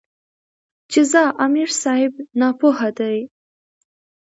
چې ځه امیر صېب ناپوهَ دے ـ